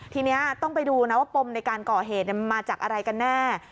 ทีนี้ต้องไปดูนะว่าปมในการก่อเหตุมาจากอะไรกันแน่